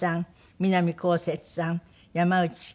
南こうせつさん山内惠介さん